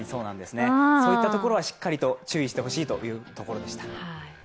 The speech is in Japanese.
そういったところはしっかりと注意をしてほしいというところでした。